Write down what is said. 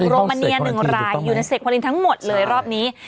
โรมาเนีย๑รายอยู่ในเสกพอลินทั้งหมดเลยรอบนี้